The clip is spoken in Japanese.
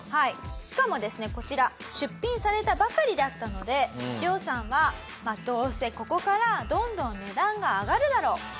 しかもですねこちら出品されたばかりだったのでリョウさんは「どうせここからどんどん値段が上がるだろう」。